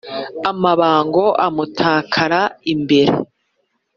amabango amutakara imbere